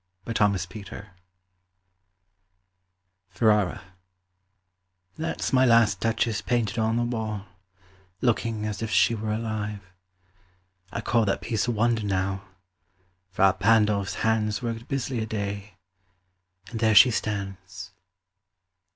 MY LAST DUCHESS Ferrara That's my last Duchess painted on the wall, Looking as if she were alive. I call That piece a wonder, now: Fra Pandolf's hands Worked busily a day, and there she stands.